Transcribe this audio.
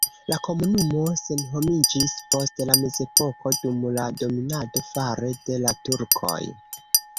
La komunumo senhomiĝis post la mezepoko dum la dominado fare de la turkoj.